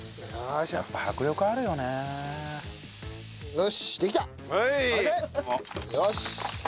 よし。